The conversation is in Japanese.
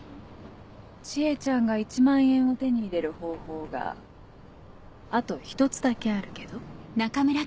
知恵ちゃんが１万円を手に入れる方法があと１つだけあるけど。